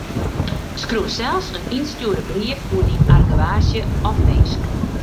Skriuw sels in ynstjoerde brief oer dyn argewaasje of winsk.